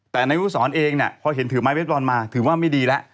แต่ในวุษรเองพอเห็นถือไม้เบสบอลลงมาถือว่าไม่ดีแล้ว